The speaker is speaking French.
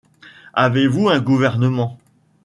Avez-vous un gouvernement